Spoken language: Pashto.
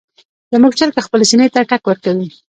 زموږ چرګه خپلې سینې ته ټک ورکوي.